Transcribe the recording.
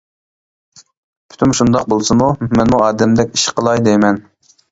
پۈتۈم شۇنداق بولسىمۇ، مەنمۇ ئادەمدەك ئىش قىلاي دەيمەن.